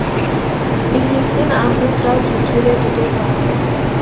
Il y signe un contrat d'une durée de deux ans.